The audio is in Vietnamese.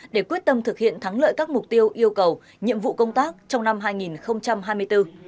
để quyết tâm thực hiện thắng lợi các mục tiêu yêu cầu nhiệm vụ công tác trong năm hai nghìn hai mươi bốn